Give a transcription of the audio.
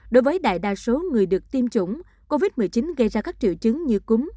đối với đại đa số người được tiêm chủng covid một mươi chín gây ra các triệu chứng như cúm